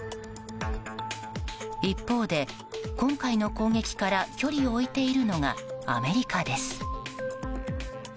一方で、今回の攻撃から距離を置いているのがアメリカです。